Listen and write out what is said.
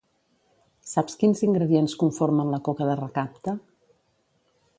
Saps quins ingredients conformen la coca de recapte?